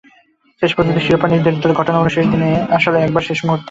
শেষ পর্যন্ত শিরোপা নির্ধারিত হলো ঘটনাবহুল শেষ দিনে, আসলে একেবারে শেষ মুহূর্তে।